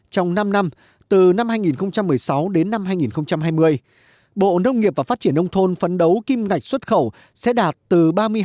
đến năm hai nghìn hai mươi bộ nông nghiệp và phát triển nông thôn phấn đấu kim ngạch xuất khẩu sẽ đạt từ ba mươi hai